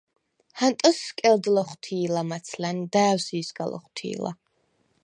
ჰანტოს სკელდ ლოხვთი̄ლა მაცლა̈ნ. და̄̈ვსი̄ სგა ლოხვთი̄ლა.